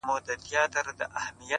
پسله كلونه چي جانان تـه ورځـي ـ